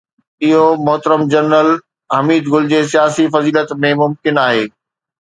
اهو محترم جنرل حميد گل جي سياسي فضيلت ۾ ممڪن آهي.